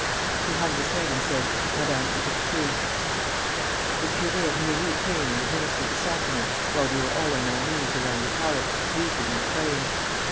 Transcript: He hung his head, and said: 'Madame, it is true.' "The curé of Neuilly came and administered the sacrament while we were all on our knees around the pallet, weeping and praying.